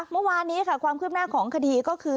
เมื่อวานนี้ค่ะความคืบหน้าของคดีก็คือ